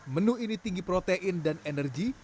menu ini tinggi protein dan energi